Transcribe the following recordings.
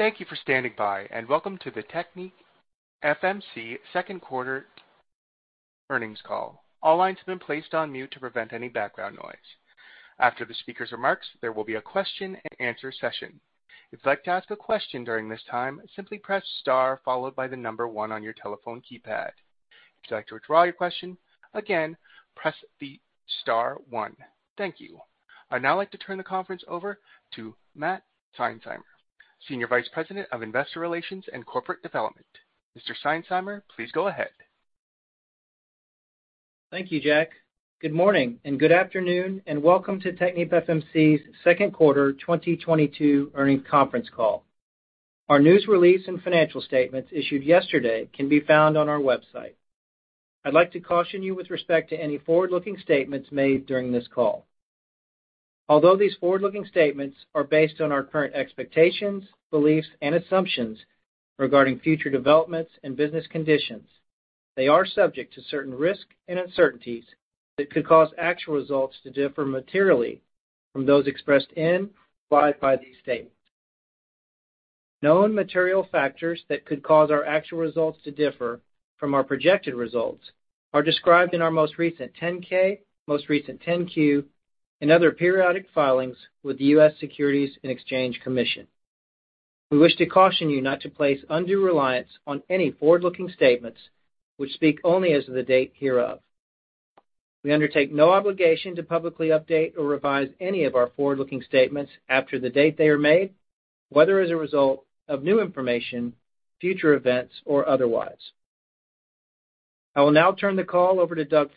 Thank you for standing by, and welcome to the TechnipFMC second quarter earnings call. All lines have been placed on mute to prevent any background noise. After the speaker's remarks, there will be a question and answer session. If you'd like to ask a question during this time, simply press star followed by the number one on your telephone keypad. If you'd like to withdraw your question, again, press the star one. Thank you. I'd now like to turn the conference over to Matt Seinsheimer, Senior Vice President of Investor Relations and Corporate Development. Mr. Seinsheimer, please go ahead. Thank you, Jack. Good morning and good afternoon, and welcome to TechnipFMC's second quarter 2022 earnings conference call. Our news release and financial statements issued yesterday can be found on our website. I'd like to caution you with respect to any forward-looking statements made during this call. Although these forward-looking statements are based on our current expectations, beliefs, and assumptions regarding future developments and business conditions, they are subject to certain risks and uncertainties that could cause actual results to differ materially from those expressed or implied by these statements. Known material factors that could cause our actual results to differ from our projected results are described in our most recent 10-K, most recent 10-Q, and other periodic filings with the U.S. Securities and Exchange Commission. We wish to caution you not to place undue reliance on any forward-looking statements which speak only as of the date hereof. We undertake no obligation to publicly update or revise any of our forward-looking statements after the date they are made, whether as a result of new information, future events, or otherwise. I will now turn the call over to Doug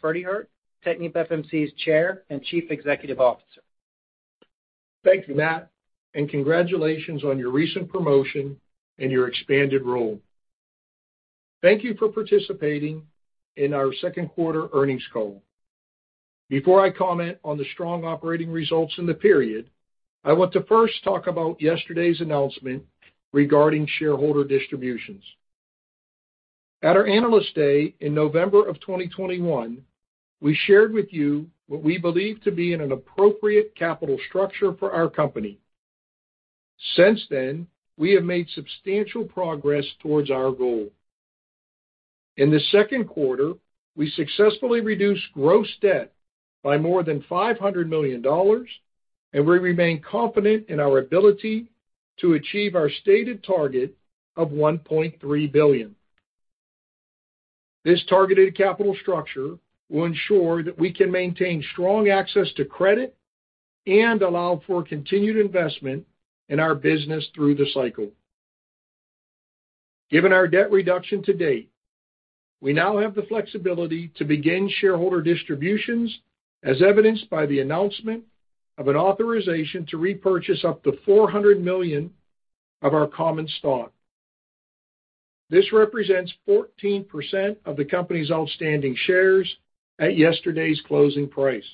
Pferdehirt, TechnipFMC's Chair and Chief Executive Officer. Thank you, Matt, and congratulations on your recent promotion and your expanded role. Thank you for participating in our second quarter earnings call. Before I comment on the strong operating results in the period, I want to first talk about yesterday's announcement regarding shareholder distributions. At our Analyst Day in November of 2021, we shared with you what we believe to be in an appropriate capital structure for our company. Since then, we have made substantial progress towards our goal. In the second quarter, we successfully reduced gross debt by more than $500 million, and we remain confident in our ability to achieve our stated target of $1.3 billion. This targeted capital structure will ensure that we can maintain strong access to credit and allow for continued investment in our business through the cycle. Given our debt reduction to date, we now have the flexibility to begin shareholder distributions as evidenced by the announcement of an authorization to repurchase up to $400 million of our common stock. This represents 14% of the company's outstanding shares at yesterday's closing price.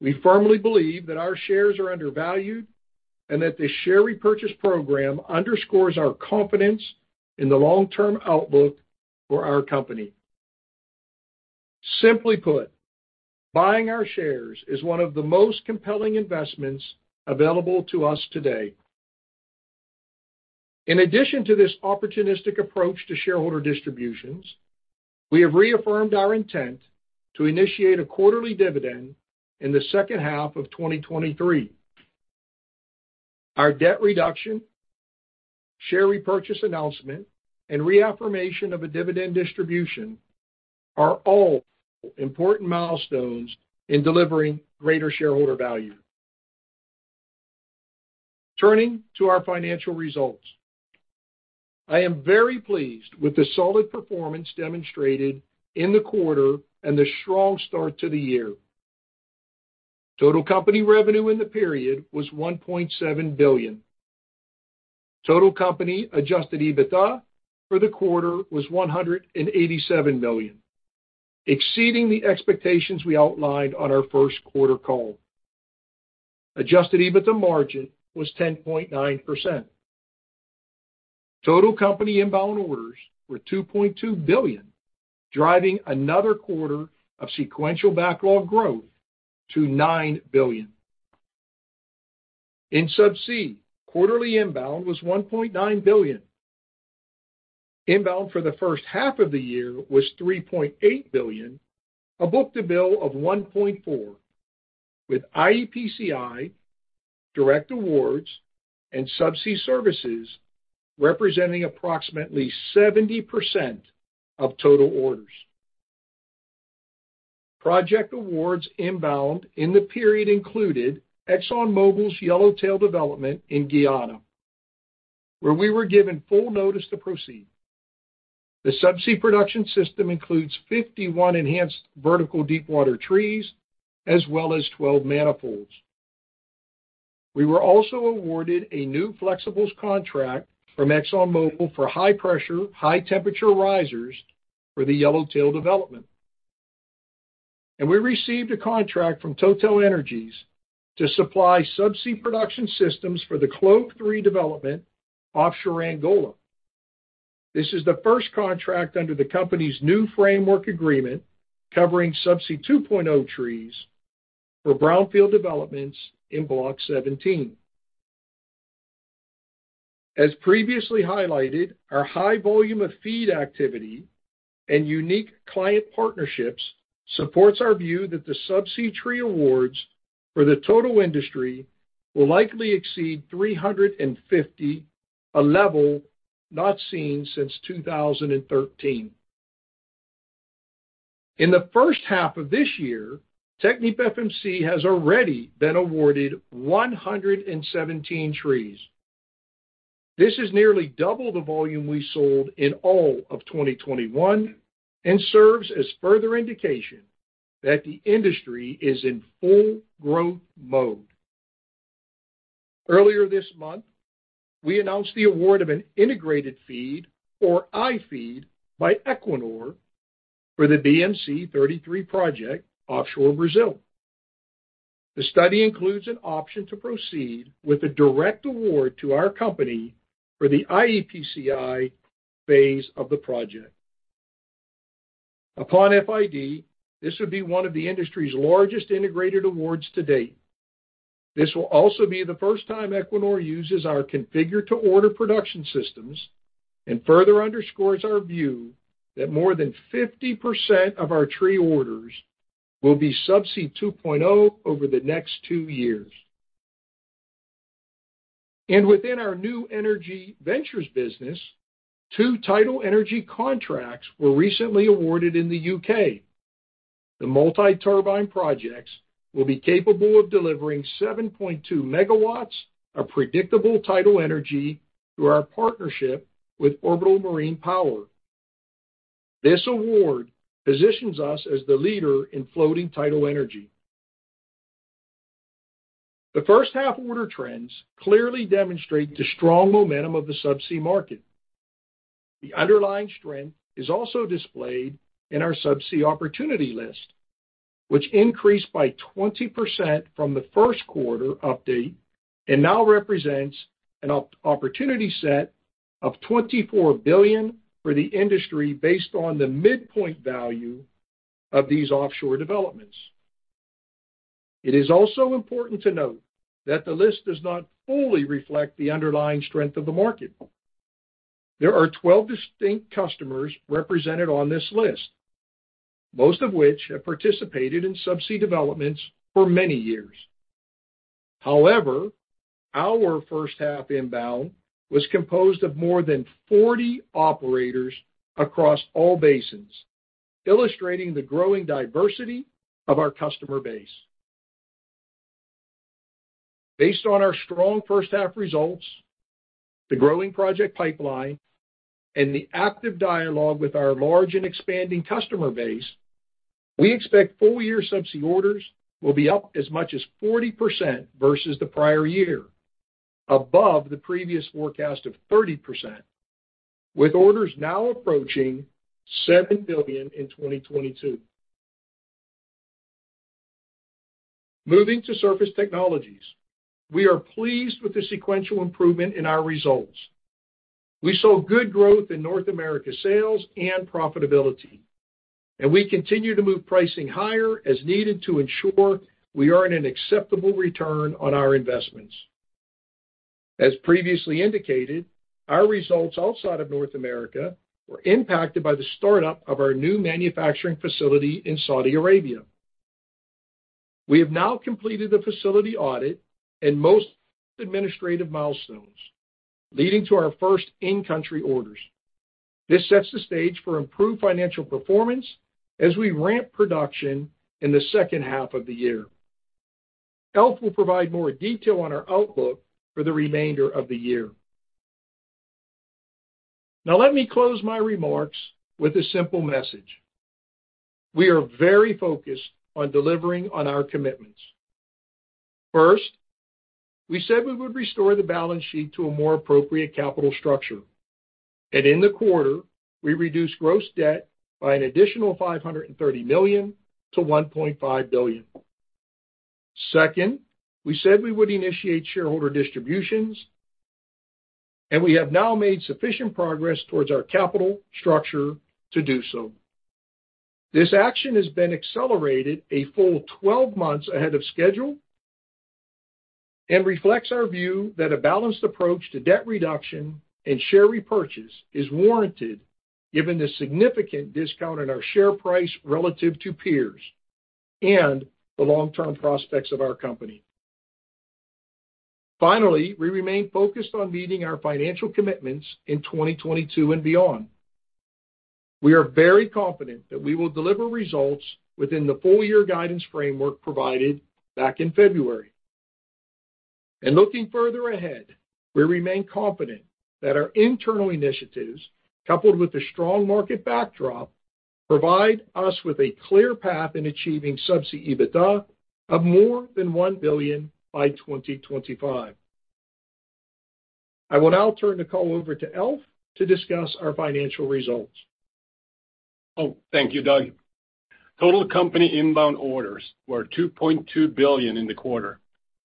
We firmly believe that our shares are undervalued and that the share repurchase program underscores our confidence in the long-term outlook for our company. Simply put, buying our shares is one of the most compelling investments available to us today. In addition to this opportunistic approach to shareholder distributions, we have reaffirmed our intent to initiate a quarterly dividend in the second half of 2023. Our debt reduction, share repurchase announcement, and reaffirmation of a dividend distribution are all important milestones in delivering greater shareholder value. Turning to our financial results. I am very pleased with the solid performance demonstrated in the quarter and the strong start to the year. Total company revenue in the period was $1.7 billion. Total company adjusted EBITDA for the quarter was $187 million, exceeding the expectations we outlined on our first quarter call. Adjusted EBITDA margin was 10.9%. Total company inbound orders were $2.2 billion, driving another quarter of sequential backlog growth to $9 billion. In subsea, quarterly inbound was $1.9 billion. Inbound for the first half of the year was $3.8 billion, a book-to-bill of 1.4, with iEPCI, direct awards, and subsea services representing approximately 70% of total orders. Project awards inbound in the period included ExxonMobil's Yellowtail development in Guyana, where we were given full notice to proceed. The subsea production system includes 51 enhanced vertical deepwater trees as well as 12 manifolds. We were also awarded a new flexibles contract from ExxonMobil for high pressure, high temperature risers for the Yellowtail development. We received a contract from TotalEnergies to supply subsea production systems for the CLOV Phase 3 development offshore Angola. This is the first contract under the company's new framework agreement covering Subsea 2.0 trees for brownfield developments in Block 17. As previously highlighted, our high volume of FEED activity and unique client partnerships supports our view that the subsea tree awards for the total industry will likely exceed 350, a level not seen since 2013. In the first half of this year, TechnipFMC has already been awarded 117 trees. This is nearly double the volume we sold in all of 2021 and serves as further indication that the industry is in full growth mode. Earlier this month, we announced the award of an integrated FEED or iFEED by Equinor for the BMC 33 project offshore Brazil. The study includes an option to proceed with a direct award to our company for the iEPCI phase of the project. Upon FID, this would be one of the industry's largest integrated awards to date. This will also be the first time Equinor uses our configure-to-order production systems and further underscores our view that more than 50% of our tree orders will be Subsea 2.0 over the next two years. Within our new energy ventures business, two tidal energy contracts were recently awarded in the U.K. The multi-turbine projects will be capable of delivering 7.2 MW of predictable tidal energy through our partnership with Orbital Marine Power. This award positions us as the leader in floating tidal energy. The first half order trends clearly demonstrate the strong momentum of the subsea market. The underlying strength is also displayed in our subsea opportunity list, which increased by 20% from the first quarter update and now represents an opportunity set of $24 billion for the industry based on the midpoint value of these offshore developments. It is also important to note that the list does not fully reflect the underlying strength of the market. There are 12 distinct customers represented on this list, most of which have participated in subsea developments for many years. However, our first half inbound was composed of more than 40 operators across all basins, illustrating the growing diversity of our customer base. Based on our strong first half results, the growing project pipeline, and the active dialogue with our large and expanding customer base, we expect full-year subsea orders will be up as much as 40% versus the prior year, above the previous forecast of 30%, with orders now approaching $7 billion in 2022. Moving to surface technologies. We are pleased with the sequential improvement in our results. We saw good growth in North America sales and profitability, and we continue to move pricing higher as needed to ensure we earn an acceptable return on our investments. As previously indicated, our results outside of North America were impacted by the startup of our new manufacturing facility in Saudi Arabia. We have now completed the facility audit and most administrative milestones, leading to our first in-country orders. This sets the stage for improved financial performance as we ramp production in the second half of the year. Alf will provide more detail on our outlook for the remainder of the year. Now, let me close my remarks with a simple message. We are very focused on delivering on our commitments. First, we said we would restore the balance sheet to a more appropriate capital structure, and in the quarter, we reduced gross debt by an additional $530 million to $1.5 billion. Second, we said we would initiate shareholder distributions, and we have now made sufficient progress towards our capital structure to do so. This action has been accelerated a full 12 months ahead of schedule and reflects our view that a balanced approach to debt reduction and share repurchase is warranted given the significant discount on our share price relative to peers and the long-term prospects of our company. Finally, we remain focused on meeting our financial commitments in 2022 and beyond. We are very confident that we will deliver results within the full-year guidance framework provided back in February. Looking further ahead, we remain confident that our internal initiatives, coupled with the strong market backdrop, provide us with a clear path in achieving Subsea EBITDA of more than $1 billion by 2025. I will now turn the call over to Alf to discuss our financial results. Oh, thank you, Doug. Total company inbound orders were $2.2 billion in the quarter,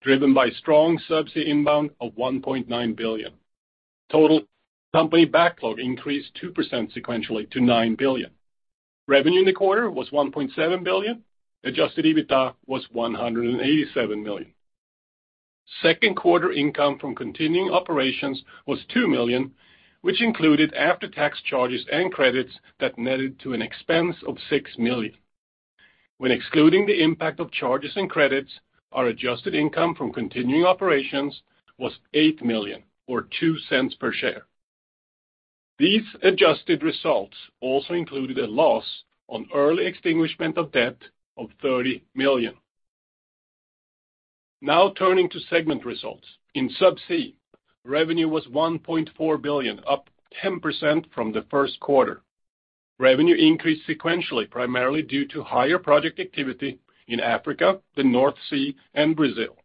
driven by strong subsea inbound of $1.9 billion. Total company backlog increased 2% sequentially to $9 billion. Revenue in the quarter was $1.7 billion. Adjusted EBITDA was $187 million. Second quarter income from continuing operations was $2 million, which included after-tax charges and credits that netted to an expense of $6 million. When excluding the impact of charges and credits, our adjusted income from continuing operations was $8 million or $0.02 per share. These adjusted results also included a loss on early extinguishment of debt of $30 million. Now turning to segment results. In subsea, revenue was $1.4 billion, up 10% from the first quarter. Revenue increased sequentially, primarily due to higher project activity in Africa, the North Sea, and Brazil.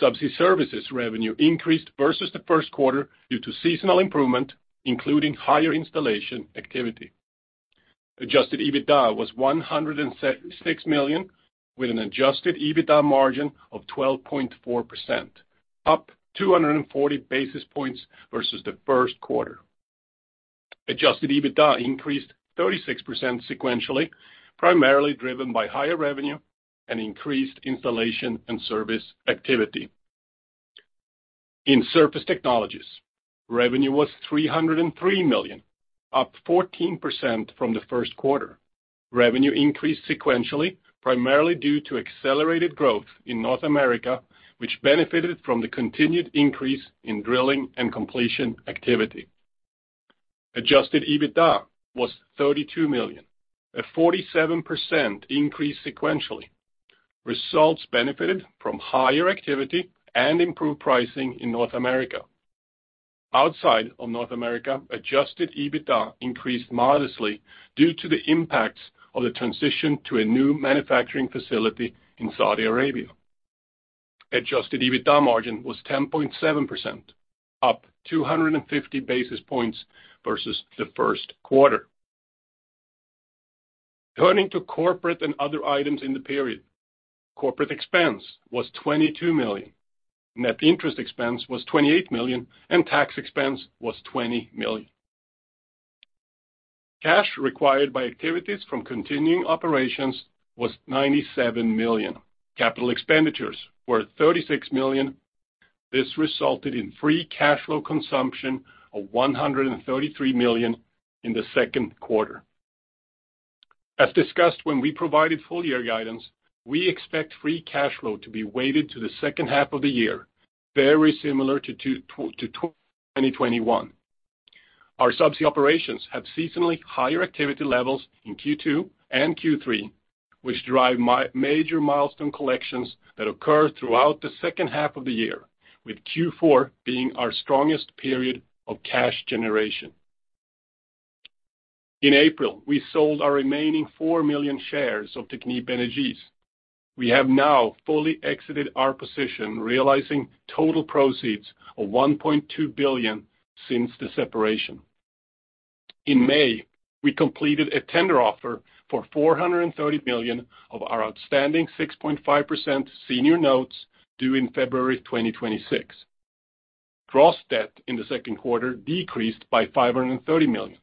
Subsea services revenue increased versus the first quarter due to seasonal improvement, including higher installation activity. Adjusted EBITDA was $166 million, with an adjusted EBITDA margin of 12.4%, up 240 basis points versus the first quarter. Adjusted EBITDA increased 36% sequentially, primarily driven by higher revenue and increased installation and service activity. In surface technologies, revenue was $303 million, up 14% from the first quarter. Revenue increased sequentially, primarily due to accelerated growth in North America, which benefited from the continued increase in drilling and completion activity. Adjusted EBITDA was $32 million, a 47% increase sequentially. Results benefited from higher activity and improved pricing in North America. Outside of North America, adjusted EBITDA increased modestly due to the impacts of the transition to a new manufacturing facility in Saudi Arabia. Adjusted EBITDA margin was 10.7%, up 250 basis points versus the first quarter. Turning to corporate and other items in the period. Corporate expense was $22 million. Net interest expense was $28 million, and tax expense was $20 million. Cash required by activities from continuing operations was $97 million. Capital expenditures were $36 million. This resulted in free cash flow consumption of $133 million in the second quarter. As discussed when we provided full year guidance, we expect free cash flow to be weighted to the second half of the year, very similar to 2021. Our subsea operations have seasonally higher activity levels in Q2 and Q3, which drive major milestone collections that occur throughout the second half of the year, with Q4 being our strongest period of cash generation. In April, we sold our remaining 4 million shares of Technip Energies. We have now fully exited our position, realizing total proceeds of $1.2 billion since the separation. In May, we completed a tender offer for $430 million of our outstanding 6.5% senior notes due in February 2026. Gross debt in the second quarter decreased by $530 million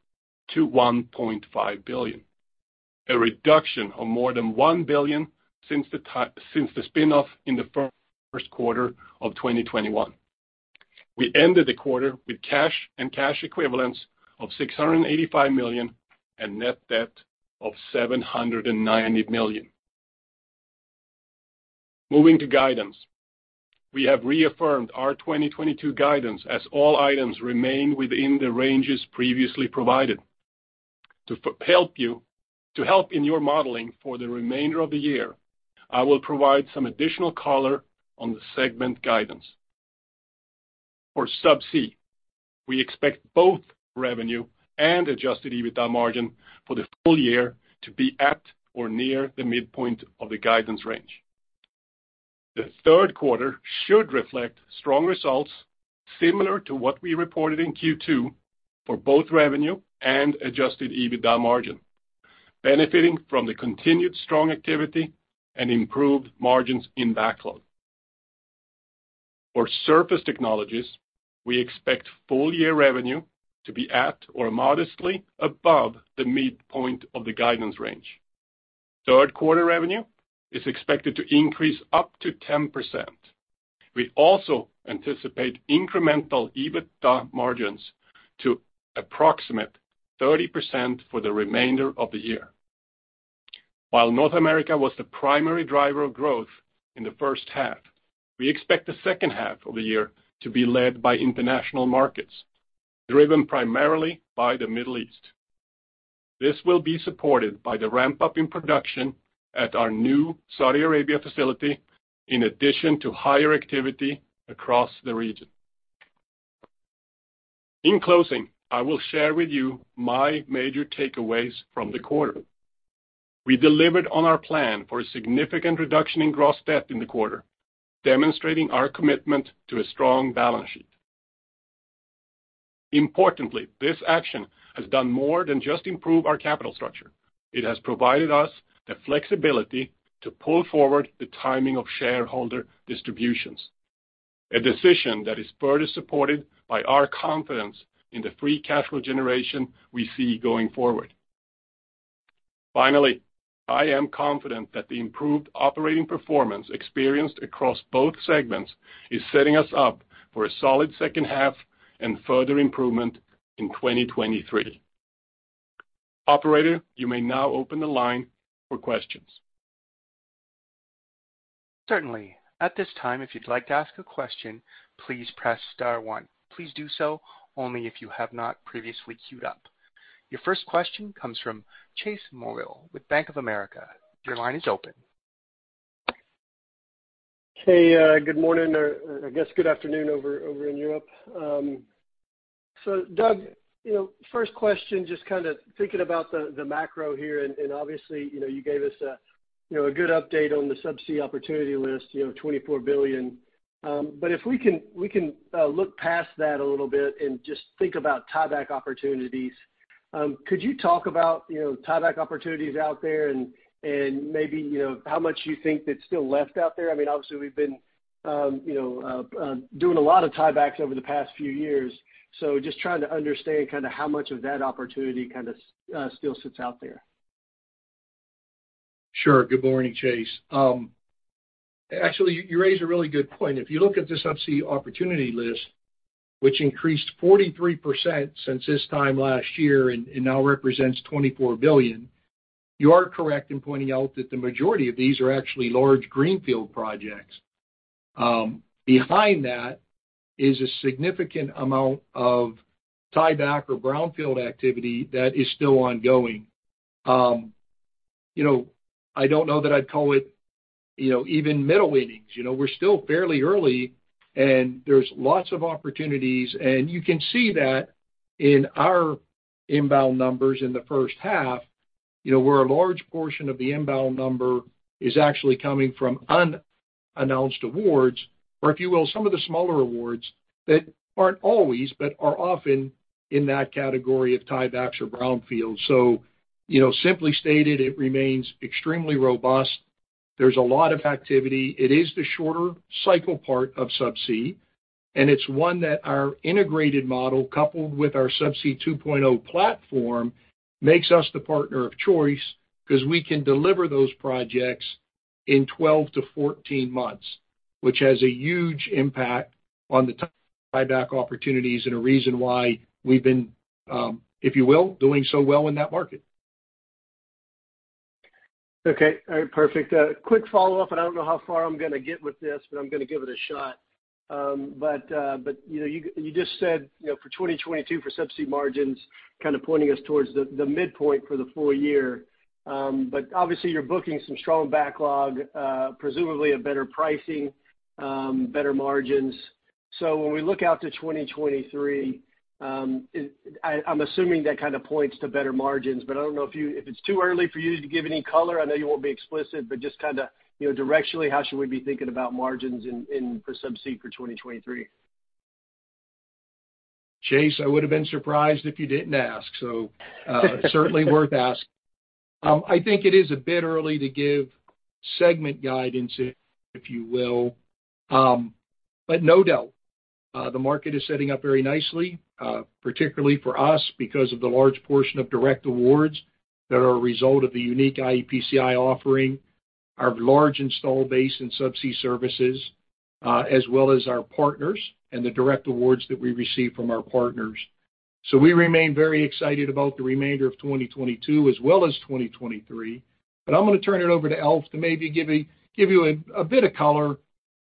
to $1.5 billion, a reduction of more than $1 billion since the spin off in the first quarter of 2021. We ended the quarter with cash and cash equivalents of $685 million and net debt of $790 million. Moving to guidance, we have reaffirmed our 2022 guidance as all items remain within the ranges previously provided. To help in your modeling for the remainder of the year, I will provide some additional color on the segment guidance. For subsea, we expect both revenue and adjusted EBITDA margin for the full year to be at or near the midpoint of the guidance range. The third quarter should reflect strong results similar to what we reported in Q2 for both revenue and adjusted EBITDA margin, benefiting from the continued strong activity and improved margins in backlog. For surface technologies, we expect full year revenue to be at or modestly above the midpoint of the guidance range. Third quarter revenue is expected to increase up to 10%. We also anticipate incremental EBITDA margins to approximate 30% for the remainder of the year. While North America was the primary driver of growth in the first half, we expect the second half of the year to be led by international markets, driven primarily by the Middle East. This will be supported by the ramp-up in production at our new Saudi Arabia facility, in addition to higher activity across the region. In closing, I will share with you my major takeaways from the quarter. We delivered on our plan for a significant reduction in gross debt in the quarter, demonstrating our commitment to a strong balance sheet. Importantly, this action has done more than just improve our capital structure. It has provided us the flexibility to pull forward the timing of shareholder distributions. A decision that is further supported by our confidence in the free cash flow generation we see going forward. Finally, I am confident that the improved operating performance experienced across both segments is setting us up for a solid second half and further improvement in 2023. Operator, you may now open the line for questions. Certainly. At this time, if you'd like to ask a question, please press star one. Please do so only if you have not previously queued up. Your first question comes from Chase Mulvehill with Bank of America. Your line is open. Hey, good morning, or I guess good afternoon over in Europe. So Doug, you know, first question, just kinda thinking about the macro here, and obviously, you know, you gave us a good update on the subsea opportunity list, you know, $24 billion. But if we can look past that a little bit and just think about tieback opportunities. Could you talk about, you know, tieback opportunities out there and maybe, you know, how much you think that's still left out there? I mean, obviously we've been doing a lot of tiebacks over the past few years. So just trying to understand kinda how much of that opportunity kinda still sits out there. Sure. Good morning, Chase. Actually, you raised a really good point. If you look at the subsea opportunity list, which increased 43% since this time last year and now represents $24 billion, you are correct in pointing out that the majority of these are actually large greenfield projects. Behind that is a significant amount of tieback or brownfield activity that is still ongoing. You know, I don't know that I'd call it, you know, even middle innings. You know, we're still fairly early, and there's lots of opportunities. You can see that in our inbound numbers in the first half, you know, where a large portion of the inbound number is actually coming from unannounced awards, or if you will, some of the smaller awards that aren't always, but are often in that category of tiebacks or brownfields. You know, simply stated, it remains extremely robust. There's a lot of activity. It is the shorter cycle part of subsea, and it's one that our integrated model coupled with our Subsea 2.0 platform makes us the partner of choice 'cause we can deliver those projects in 12-14 months, which has a huge impact on the tieback opportunities and a reason why we've been, if you will, doing so well in that market. Okay. All right, perfect. Quick follow-up, and I don't know how far I'm gonna get with this, but I'm gonna give it a shot. But you know, you just said, you know, for 2022 for subsea margins, kinda pointing us towards the midpoint for the full year. But obviously you're booking some strong backlog, presumably a better pricing, better margins. When we look out to 2023, I'm assuming that kinda points to better margins, but I don't know if it's too early for you to give any color. I know you won't be explicit, but just kinda, you know, directionally, how should we be thinking about margins in the subsea for 2023? Chase, I would have been surprised if you didn't ask. Certainly worth asking. I think it is a bit early to give segment guidance, if you will. No doubt, the market is setting up very nicely, particularly for us because of the large portion of direct awards that are a result of the unique iEPCI offering, our large installed base in subsea services, as well as our partners and the direct awards that we receive from our partners. We remain very excited about the remainder of 2022 as well as 2023. I'm gonna turn it over to Alf to maybe give you a bit of color,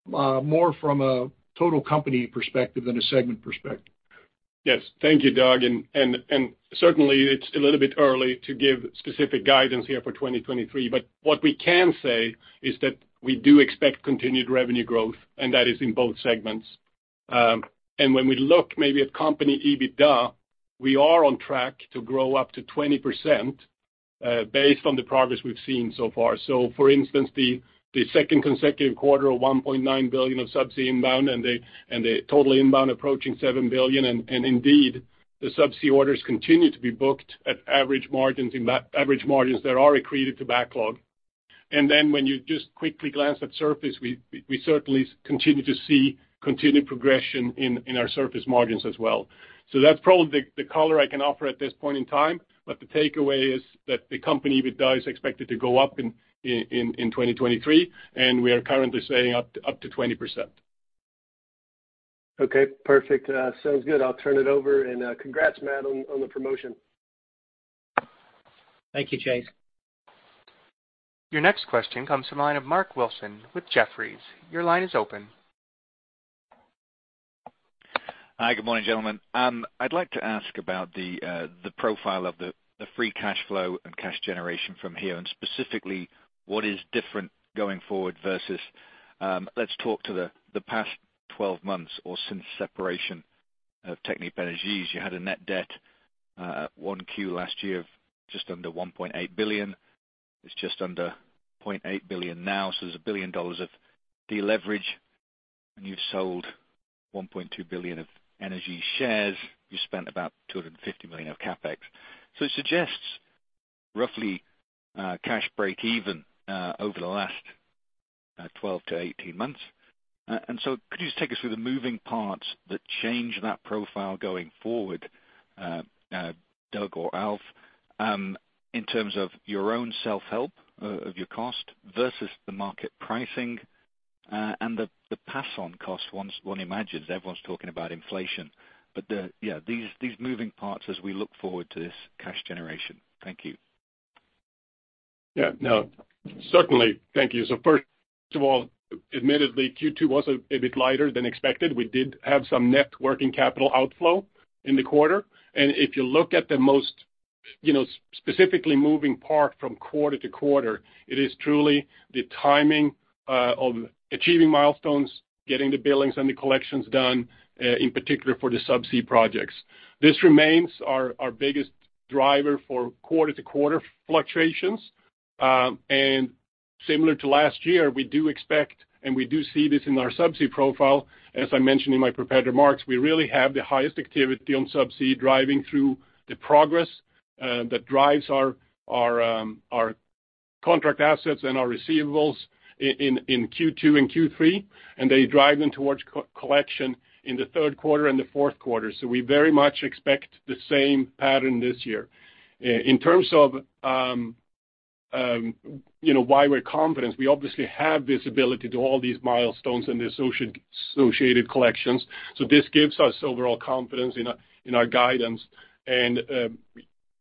more from a total company perspective than a segment perspective. Yes. Thank you, Doug. Certainly it's a little bit early to give specific guidance here for 2023, but what we can say is that we do expect continued revenue growth, and that is in both segments. When we look maybe at company EBITDA, we are on track to grow up to 20%, based on the progress we've seen so far. For instance, the second consecutive quarter of $1.9 billion of subsea inbound and the total inbound approaching $7 billion. Indeed, the subsea orders continue to be booked at average margins that are accreted to backlog. Then when you just quickly glance at surface, we certainly continue to see continued progression in our surface margins as well. That's probably the color I can offer at this point in time, but the takeaway is that the company EBITDA is expected to go up in 2023, and we are currently saying up to 20%. Okay, perfect. Sounds good. I'll turn it over, and congrats, Matt, on the promotion. Thank you, Chase. Your next question comes from the line of Mark Wilson with Jefferies. Your line is open. Hi. Good morning, gentlemen. I'd like to ask about the profile of the free cash flow and cash generation from here, and specifically, what is different going forward versus the past 12 months or since separation of Technip Energies. You had a net debt at 1Q last year of just under $1.8 billion. It's just under $0.8 billion now. There's $1 billion of deleverage, and you've sold $1.2 billion of energy shares. You spent about $250 million of CapEx. It suggests roughly cash break even over the last 12-18 months. Could you just take us through the moving parts that change that profile going forward, Doug or Alf, in terms of your own self-help, of your cost versus the market pricing, and the pass on costs one imagines everyone's talking about inflation. These moving parts as we look forward to this cash generation. Thank you. Yeah, no, certainly. Thank you. First of all, admittedly, Q2 was a bit lighter than expected. We did have some net working capital outflow in the quarter. If you look at the most, you know, specifically moving part from quarter-to-quarter, it is truly the timing of achieving milestones, getting the billings and the collections done, in particular for the Subsea projects. This remains our biggest driver for quarter-to-quarter fluctuations. Similar to last year, we do expect, and we do see this in our Subsea profile, as I mentioned in my prepared remarks, we really have the highest activity on Subsea driving through the progress, that drives our contract assets and our receivables in Q2 and Q3. They drive them towards collection in the third quarter and the fourth quarter. We very much expect the same pattern this year. In terms of, you know why we're confident, we obviously have visibility to all these milestones and the associated collections. This gives us overall confidence in our guidance.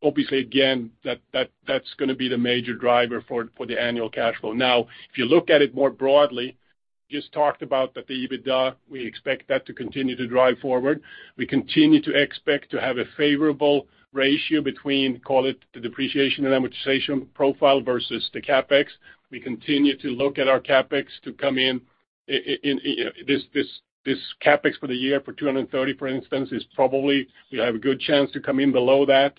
Obviously again, that's gonna be the major driver for the annual cash flow. Now, if you look at it more broadly, just talked about that, the EBITDA, we expect that to continue to drive forward. We continue to expect to have a favorable ratio between, call it, the depreciation and amortization profile versus the CapEx. We continue to look at our CapEx to come in you know, this CapEx for the year for $230 million, for instance, is probably, we have a good chance to come in below that.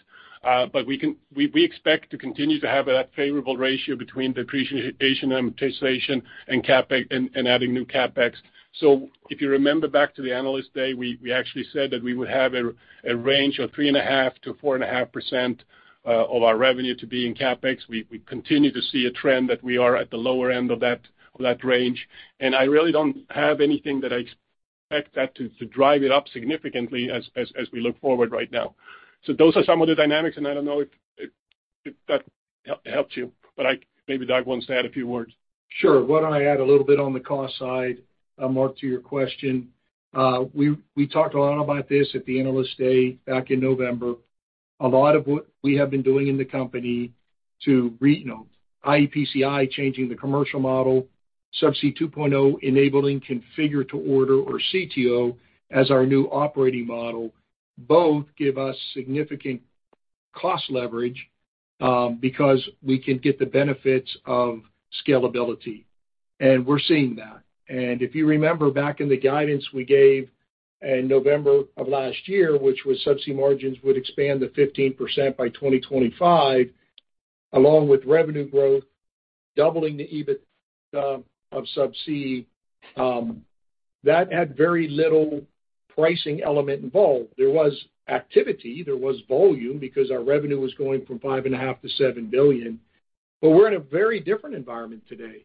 We expect to continue to have that favorable ratio between depreciation and amortization and CapEx and adding new CapEx. If you remember back to the Analyst Day, we actually said that we would have a range of 3.5%-4.5% of our revenue to be in CapEx. We continue to see a trend that we are at the lower end of that range, and I really don't have anything that I expect that to drive it up significantly as we look forward right now. Those are some of the dynamics, and I don't know if that helps you, but maybe Doug wants to add a few words. Sure. Why don't I add a little bit on the cost side, Mark, to your question. We talked a lot about this at the Analyst Day back in November. A lot of what we have been doing in the company to, you know, iEPCI, changing the commercial model, Subsea 2.0, enabling configure to order or CTO as our new operating model, both give us significant cost leverage, because we can get the benefits of scalability, and we're seeing that. If you remember back in the guidance we gave in November of last year, which was Subsea margins would expand to 15% by 2025, along with revenue growth, doubling the EBITDA of Subsea, that had very little pricing element involved. There was activity, there was volume because our revenue was going from $5.5 billion to $7 billion. We're in a very different environment today,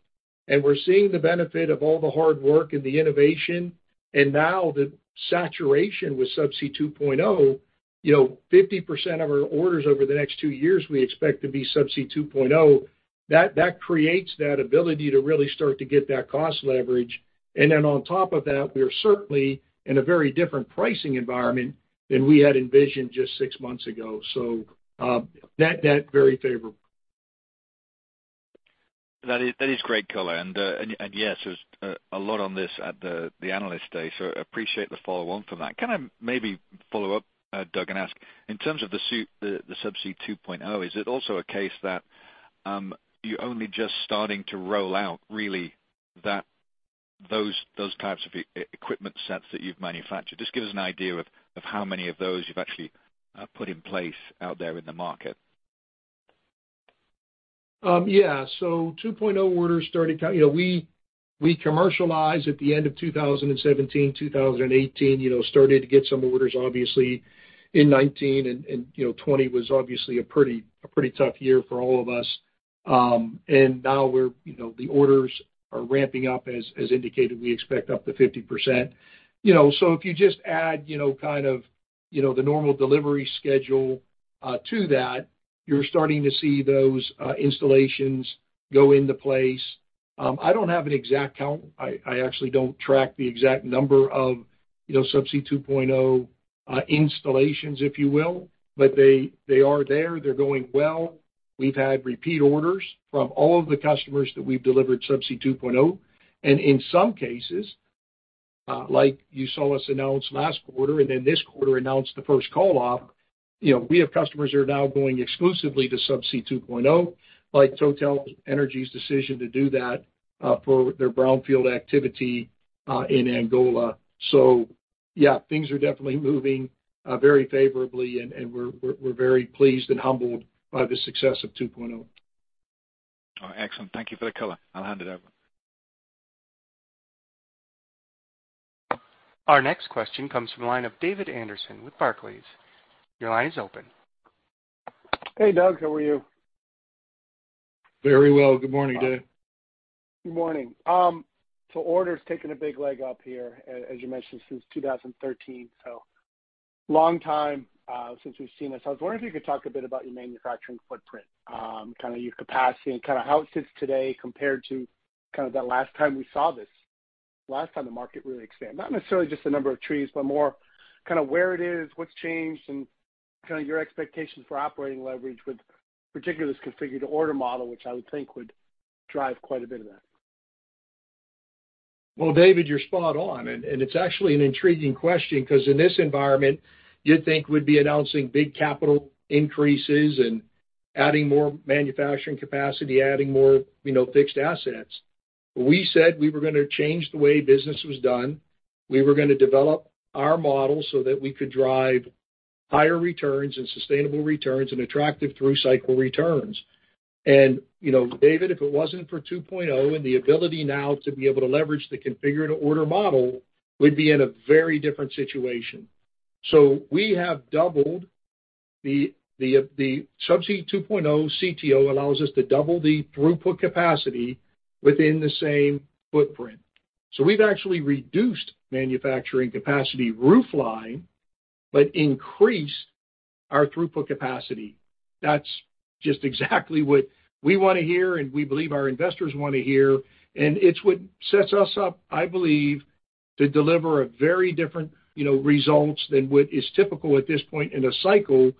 and we're seeing the benefit of all the hard work and the innovation and now the saturation with Subsea 2.0. You know, 50% of our orders over the next two years we expect to be Subsea 2.0. That creates that ability to really start to get that cost leverage. And then on top of that, we are certainly in a very different pricing environment than we had envisioned just six months ago. That very favorable. That is great color. Yes, there's a lot on this at the Analyst Day, so appreciate the follow on from that. Can I maybe follow up, Doug, and ask in terms of the Subsea 2.0, is it also a case that you're only just starting to roll out really those types of equipment sets that you've manufactured? Just give us an idea of how many of those you've actually put in place out there in the market. Subsea 2.0 orders started. You know, we commercialized at the end of 2017. 2018, you know, started to get some orders obviously in 2019 and you know, 2020 was obviously a pretty tough year for all of us. Now we're, you know, the orders are ramping up as indicated, we expect up to 50%. You know, if you just add, you know, kind of, you know, the normal delivery schedule to that, you're starting to see those installations go into place. I don't have an exact count. I actually don't track the exact number of, you know, Subsea 2.0 installations, if you will. They are there. They're going well. We've had repeat orders from all of the customers that we've delivered Subsea 2.0. In some cases, like you saw us announce last quarter and then this quarter announced the first call off. You know, we have customers who are now going exclusively to Subsea 2.0, like TotalEnergies' decision to do that, for their brownfield activity, in Angola. Yeah, things are definitely moving very favorably and we're very pleased and humbled by the success of 2.0. Oh, excellent. Thank you for the color. I'll hand it over. Our next question comes from the line of David Anderson with Barclays. Your line is open. Hey, Doug. How are you? Very well. Good morning, Dave. Good morning. Orders taken a big leg up here, as you mentioned since 2013, so long time since we've seen this. I was wondering if you could talk a bit about your manufacturing footprint, kinda your capacity and kinda how it sits today compared to kind of the last time we saw this. Last time the market really expanded. Not necessarily just the number of trees, but more kind of where it is, what's changed, and kind of your expectations for operating leverage with particularly this configure-to-order model, which I would think would drive quite a bit of that. Well, David, you're spot on. It's actually an intriguing question 'cause in this environment, you'd think we'd be announcing big capital increases and adding more manufacturing capacity, you know, fixed assets. We said we were gonna change the way business was done. We were gonna develop our model so that we could drive higher returns and sustainable returns and attractive through cycle returns. You know, David, if it wasn't for Subsea 2.0 and the ability now to be able to leverage the configure-to-order model, we'd be in a very different situation. The Subsea 2.0 CTO allows us to double the throughput capacity within the same footprint. We've actually reduced manufacturing capacity roof line, but increased our throughput capacity. That's just exactly what we wanna hear, and we believe our investors wanna hear. It's what sets us up, I believe, to deliver a very different, you know, results than what is typical at this point in a cycle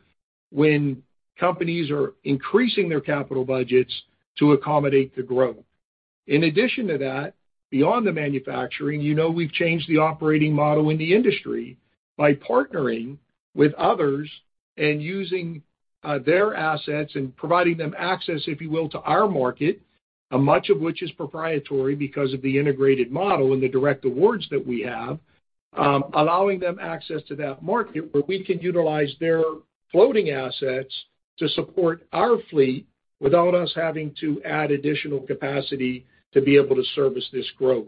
when companies are increasing their capital budgets to accommodate the growth. In addition to that, beyond the manufacturing, you know we've changed the operating model in the industry by partnering with others and using their assets and providing them access, if you will, to our market, much of which is proprietary because of the integrated model and the direct awards that we have, allowing them access to that market where we can utilize their floating assets to support our fleet without us having to add additional capacity to be able to service this growth.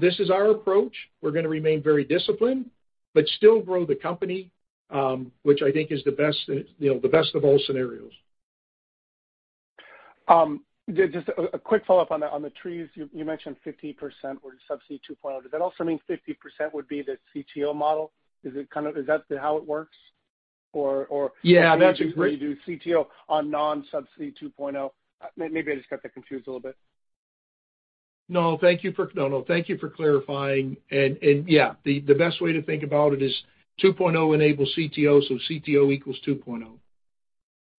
This is our approach. We're gonna remain very disciplined but still grow the company, which I think is the best, you know, the best of all scenarios. Just a quick follow-up on the trees. You mentioned 50% were Subsea 2.0. Does that also mean 50% would be the CTO model? Is that how it works? Yeah. Do you do CTO on non-Subsea 2.0? Maybe I just got that confused a little bit. No, no. Thank you for clarifying. Yeah, the best way to think about it is 2.0 enables CTO, so CTO equals 2.0.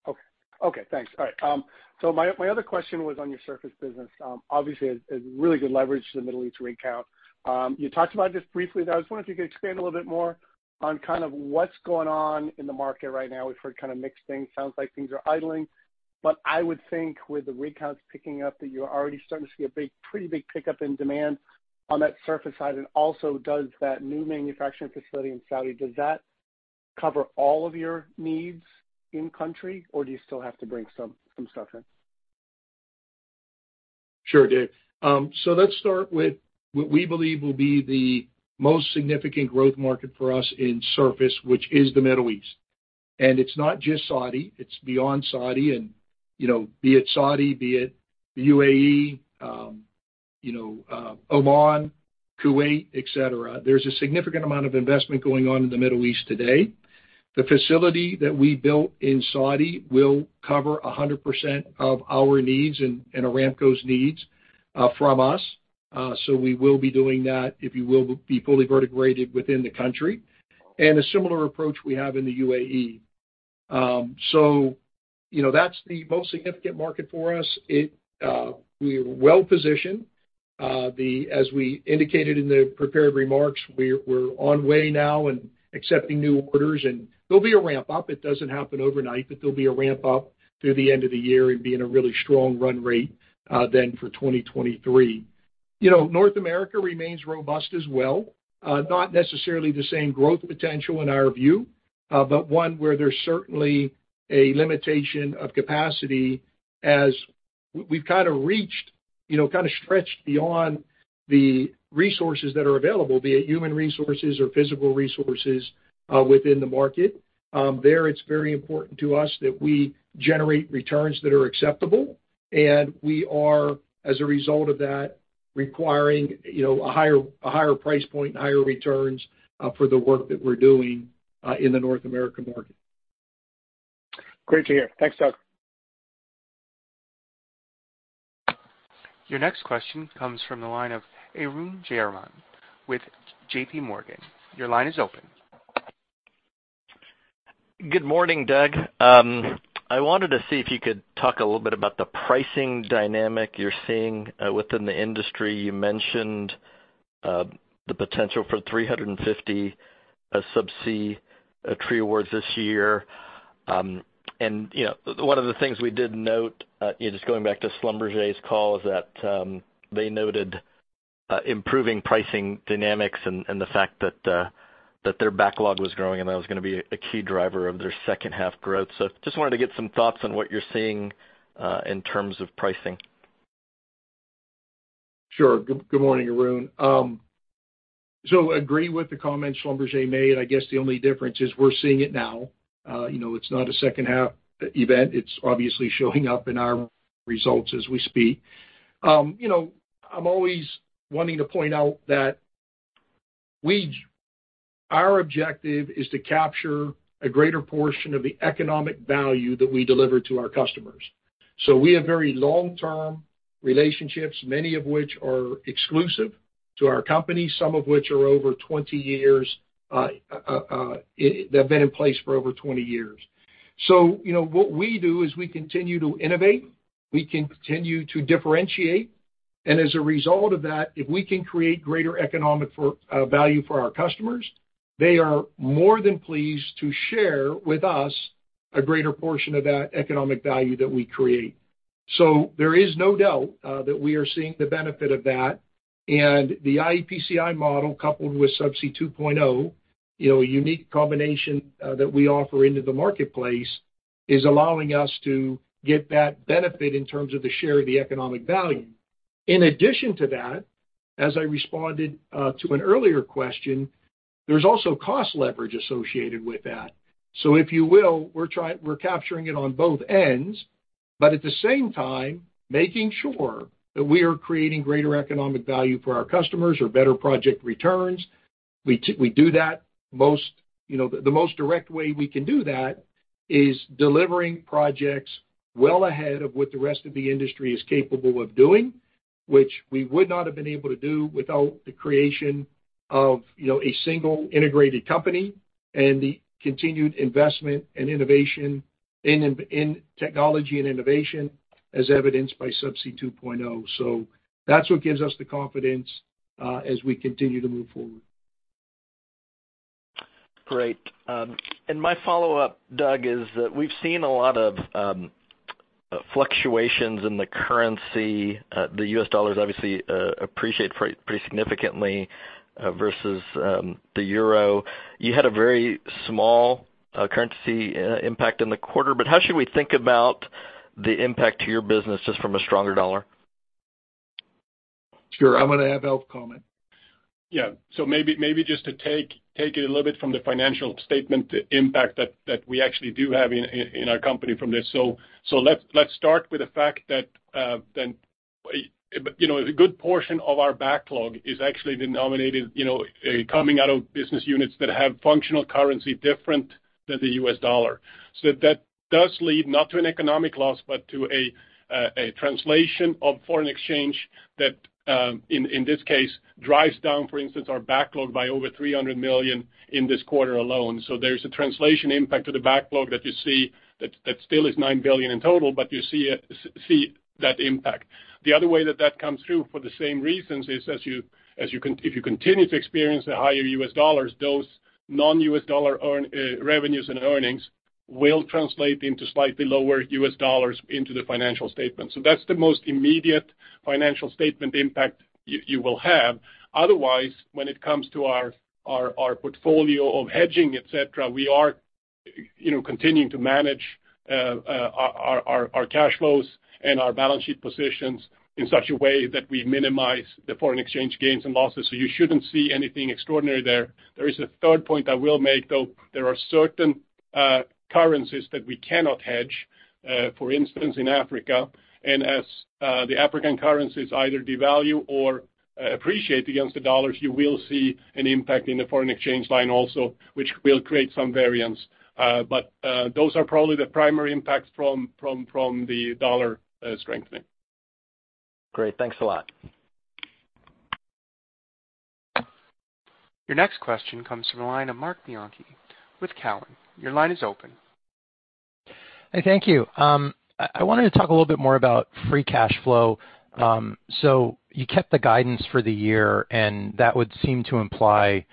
Okay. Okay, thanks. All right. My other question was on your surface business. Obviously a really good leverage to the Middle East rig count. You talked about this briefly, but I was wondering if you could expand a little bit more on kind of what's going on in the market right now. We've heard kind of mixed things. Sounds like things are idling. I would think with the rig counts picking up that you're already starting to see a big, pretty big pickup in demand on that surface side. Also, does that new manufacturing facility in Saudi cover all of your needs in country, or do you still have to bring some stuff in? Sure, Dave. So let's start with what we believe will be the most significant growth market for us in surface, which is the Middle East. It's not just Saudi, it's beyond Saudi and, you know, be it Saudi, be it the UAE, you know, Oman, Kuwait, et cetera. There's a significant amount of investment going on in the Middle East today. The facility that we built in Saudi will cover 100% of our needs and Aramco's needs from us. So we will be doing that, if you will, be fully vertically integrated within the country. A similar approach we have in the UAE. So, you know, that's the most significant market for us. We're well positioned. As we indicated in the prepared remarks, we're on our way now and accepting new orders, and there'll be a ramp-up. It doesn't happen overnight, but there'll be a ramp-up through the end of the year and be in a really strong run rate then for 2023. You know, North America remains robust as well. Not necessarily the same growth potential in our view, but one where there's certainly a limitation of capacity as we've kind of reached, you know, kind of stretched beyond the resources that are available, be it human resources or physical resources within the market. There, it's very important to us that we generate returns that are acceptable, and we are, as a result of that, requiring, you know, a higher price point and higher returns, for the work that we're doing, in the North American market. Great to hear. Thanks, Doug. Your next question comes from the line of Arun Jayaram with JPMorgan. Your line is open. Good morning, Doug. I wanted to see if you could talk a little bit about the pricing dynamic you're seeing within the industry. You mentioned the potential for 350 subsea tree awards this year. You know, one of the things we did note, you know, just going back to Schlumberger's call is that they noted improving pricing dynamics and the fact that their backlog was growing, and that was gonna be a key driver of their second half growth. Just wanted to get some thoughts on what you're seeing in terms of pricing. Sure. Good morning, Arun. Agree with the comments Schlumberger made. I guess the only difference is we're seeing it now. You know, it's not a second half event. It's obviously showing up in our results as we speak. You know, I'm always wanting to point out that our objective is to capture a greater portion of the economic value that we deliver to our customers. We have very long-term relationships, many of which are exclusive to our company, some of which are over 20 years. They've been in place for over 20 years. You know, what we do is we continue to innovate, we continue to differentiate, and as a result of that, if we can create greater economic value for our customers, they are more than pleased to share with us a greater portion of that economic value that we create. There is no doubt that we are seeing the benefit of that. The iEPCI model coupled with Subsea 2.0, you know, a unique combination that we offer into the marketplace, is allowing us to get that benefit in terms of the share of the economic value. In addition to that, as I responded to an earlier question, there's also cost leverage associated with that. If you will, we're capturing it on both ends, but at the same time, making sure that we are creating greater economic value for our customers or better project returns. We do that most, you know, the most direct way we can do that is delivering projects well ahead of what the rest of the industry is capable of doing, which we would not have been able to do without the creation of, you know, a single integrated company and the continued investment and innovation in technology and innovation as evidenced by Subsea 2.0. That's what gives us the confidence as we continue to move forward. Great. My follow-up, Doug, is that we've seen a lot of fluctuations in the currency. The U.S. dollar's obviously appreciated pretty significantly versus the euro. You had a very small currency impact in the quarter, but how should we think about the impact to your business just from a stronger dollar? Sure. I'm gonna have Alf comment. Yeah. Maybe just to take it a little bit from the financial statement impact that we actually do have in our company from this. Let's start with the fact that you know, a good portion of our backlog is actually denominated you know, coming out of business units that have functional currency different than the U.S. dollar. That does lead not to an economic loss, but to a translation of foreign exchange that in this case drives down, for instance, our backlog by over $300 million in this quarter alone. There's a translation impact to the backlog that you see that still is $9 billion in total, but you see it, see that impact. The other way that comes through for the same reasons is, as you can, if you continue to experience the higher U.S. dollars, those non-U.S. dollar earn revenues and earnings will translate into slightly lower U.S. dollars into the financial statement. So that's the most immediate financial statement impact you will have. Otherwise, when it comes to our portfolio of hedging, et cetera, we are, you know, continuing to manage our cash flows and our balance sheet positions in such a way that we minimize the foreign exchange gains and losses. So you shouldn't see anything extraordinary there. There is a third point I will make, though. There are certain currencies that we cannot hedge, for instance, in Africa. As the African currencies either devalue or appreciate against the dollars, you will see an impact in the foreign exchange line also, which will create some variance. But those are probably the primary impacts from the dollar strengthening. Great. Thanks a lot. Your next question comes from the line of Marc Bianchi with Cowen. Your line is open. Hey, thank you. I wanted to talk a little bit more about free cash flow. You kept the guidance for the year, and that would seem to imply,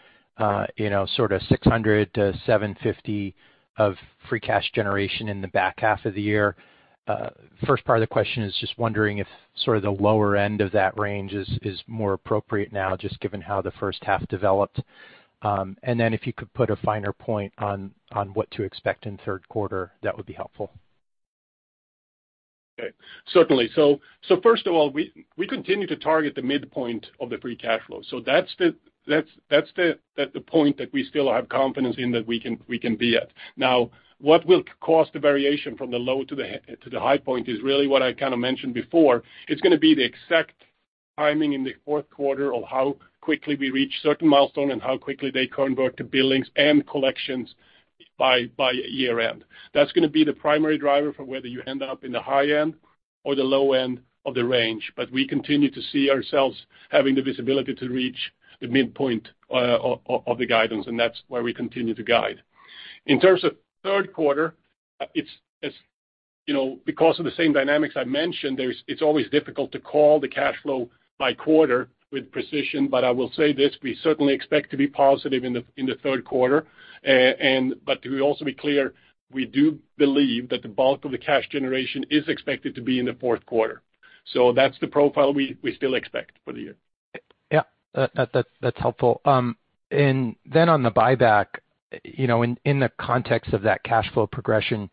you know, sort of $600-$750 of free cash generation in the back half of the year. First part of the question is just wondering if sort of the lower end of that range is more appropriate now, just given how the first half developed. If you could put a finer point on what to expect in third quarter, that would be helpful. Okay. Certainly. First of all, we continue to target the midpoint of the free cash flow. That's the point that we still have confidence in that we can be at. Now, what will cause the variation from the low to the high point is really what I kinda mentioned before. It's gonna be the exact timing in the fourth quarter of how quickly we reach certain milestone and how quickly they convert to billings and collections by year-end. That's gonna be the primary driver for whether you end up in the high end or the low end of the range. We continue to see ourselves having the visibility to reach the midpoint of the guidance, and that's where we continue to guide. In terms of third quarter, you know, because of the same dynamics I mentioned, it's always difficult to call the cash flow by quarter with precision, but I will say this, we certainly expect to be positive in the third quarter. To also be clear, we do believe that the bulk of the cash generation is expected to be in the fourth quarter. That's the profile we still expect for the year. Yeah. That's helpful. On the buyback, you know, in the context of that cash flow progression,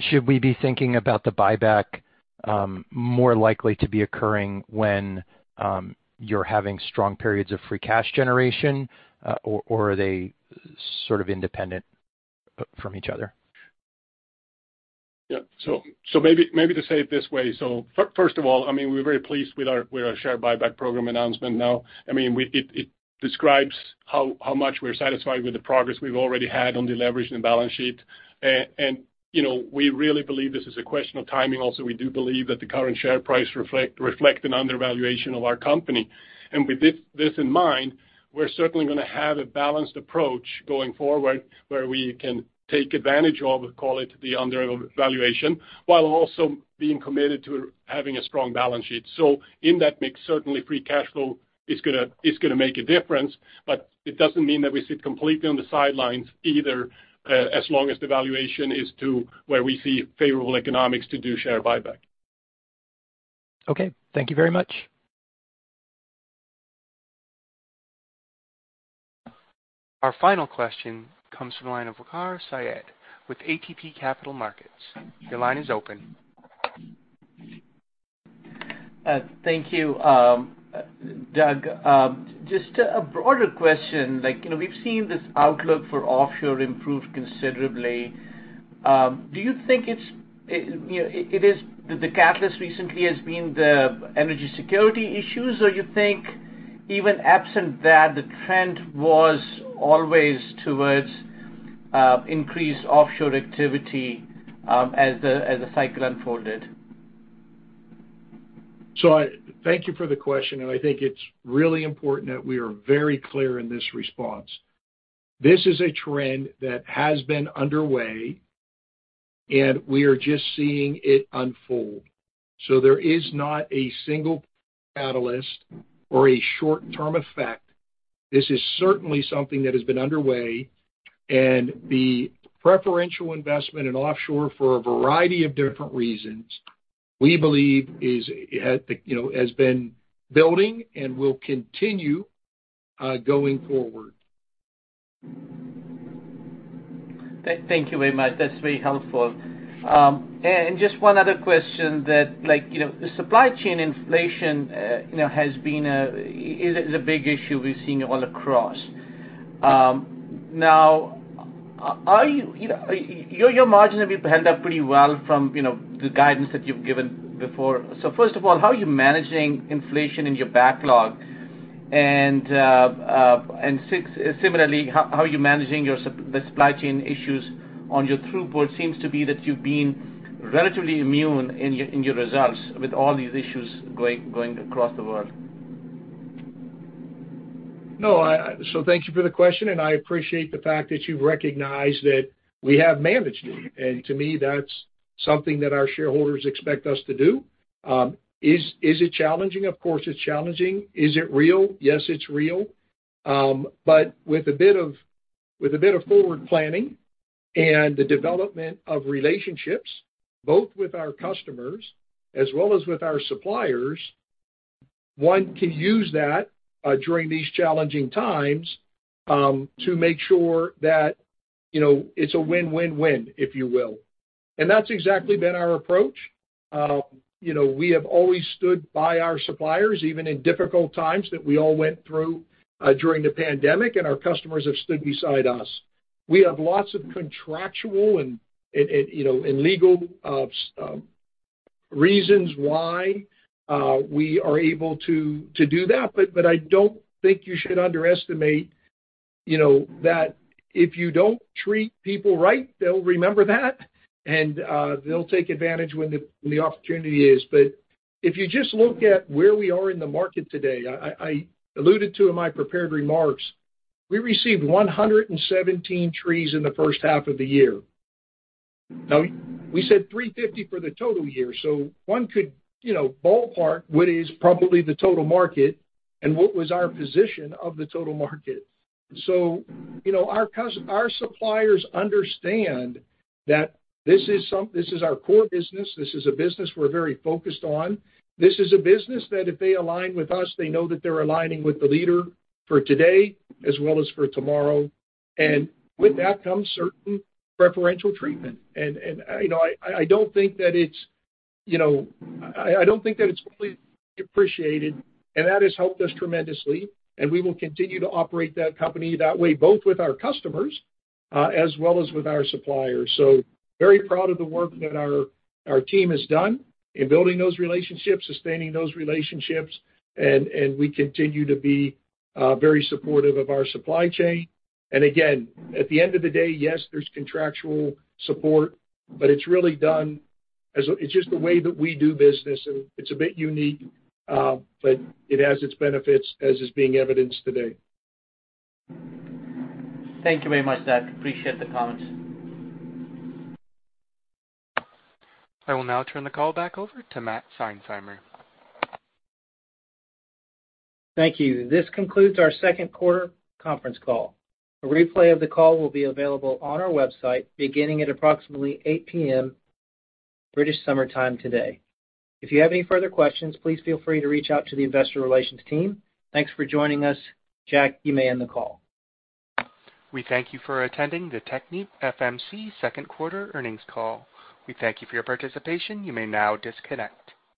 should we be thinking about the buyback more likely to be occurring when you're having strong periods of free cash generation, or are they sort of independent from each other? Yeah. Maybe to say it this way. First of all, I mean, we're very pleased with our share buyback program announcement now. I mean, it describes how much we're satisfied with the progress we've already had on deleveraging the balance sheet. You know, we really believe this is a question of timing also. We do believe that the current share price reflect an undervaluation of our company. With this in mind, we're certainly gonna have a balanced approach going forward where we can take advantage of, call it, the undervaluation, while also being committed to having a strong balance sheet. In that mix, certainly free cash flow is gonna make a difference, but it doesn't mean that we sit completely on the sidelines either, as long as the valuation is to where we see favorable economics to do share buyback. Okay. Thank you very much. Our final question comes from the line of Waqar Syed with ATB Capital Markets. Your line is open. Thank you. Doug, just a broader question, like, you know, we've seen this outlook for offshore improve considerably. Do you think the catalyst recently has been the energy security issues or you think even absent that, the trend was always towards increased offshore activity as the cycle unfolded? Thank you for the question, and I think it's really important that we are very clear in this response. This is a trend that has been underway, and we are just seeing it unfold. There is not a single catalyst or a short-term effect. This is certainly something that has been underway, and the preferential investment in offshore for a variety of different reasons, we believe is, you know, has been building and will continue going forward. Thank you very much. That's very helpful. Just one other question that like, you know, the supply chain inflation is a big issue we've seen all across. Now, your margins have held up pretty well from, you know, the guidance that you've given before. First of all, how are you managing inflation in your backlog? And similarly, how are you managing the supply chain issues on your throughput? Seems to be that you've been relatively immune in your results with all these issues going across the world. No. Thank you for the question, and I appreciate the fact that you recognize that we have managed it. To me, that's something that our shareholders expect us to do. Is it challenging? Of course, it's challenging. Is it real? Yes, it's real. With a bit of forward planning and the development of relationships, both with our customers as well as with our suppliers, one can use that during these challenging times to make sure that, you know, it's a win-win-win, if you will. That's exactly been our approach. You know, we have always stood by our suppliers, even in difficult times that we all went through during the pandemic, and our customers have stood beside us. We have lots of contractual and, you know, and legal reasons why we are able to do that. I don't think you should underestimate, you know, that if you don't treat people right, they'll remember that and they'll take advantage when the opportunity is. If you just look at where we are in the market today, I alluded to in my prepared remarks, we received 117 trees in the first half of the year. Now we said 350 for the total year, so one could, you know, ballpark what is probably the total market and what was our position of the total market. You know, our suppliers understand that this is our core business. This is a business we're very focused on. This is a business that if they align with us, they know that they're aligning with the leader for today as well as for tomorrow. With that comes certain preferential treatment. You know, I don't think that it's fully appreciated, and that has helped us tremendously, and we will continue to operate that company that way, both with our customers as well as with our suppliers. Very proud of the work that our team has done in building those relationships, sustaining those relationships, and we continue to be very supportive of our supply chain. Again, at the end of the day, yes, there's contractual support, but it's really just the way that we do business, and it's a bit unique, but it has its benefits, as is being evidenced today. Thank you very much, Doug. Appreciate the comments. I will now turn the call back over to Matt Seinsheimer. Thank you. This concludes our second quarter conference call. A replay of the call will be available on our website beginning at approximately 8 P.M. British Summer Time today. If you have any further questions, please feel free to reach out to the investor relations team. Thanks for joining us. Jack, you may end the call. We thank you for attending the TechnipFMC second quarter earnings call. We thank you for your participation. You may now disconnect.